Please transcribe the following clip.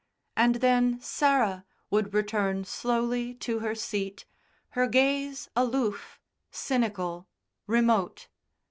and then Sarah would return slowly to her seat, her gaze aloof, cynical, remote.